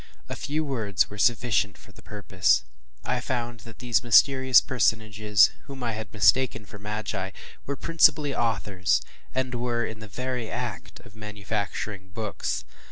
A few words were sufficient for the purpose. I found that these mysterious personages, whom I had mistaken for magi, were principally authors, and were in the very act of manufacturing books.